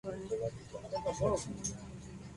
Michael Andrews creció en San Diego, California.